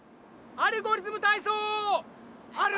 「アルゴリズムたいそう」！